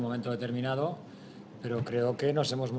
memang benar kita bisa bergerak pada saat tertentu